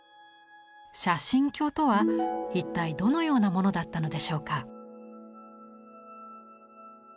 写真鏡とは一体どのようなものだったのでしょうか。